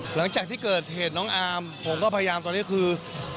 หลังจากที่เกิดเหตุน้องอาร์มผมก็พยายามตอนนี้คือ